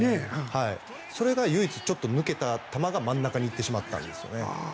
それが唯一、ちょっと抜けた球が真ん中に行ってしまったんですね。